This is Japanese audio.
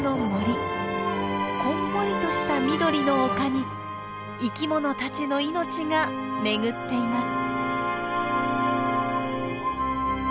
こんもりとした緑の丘に生きものたちの命が巡っています。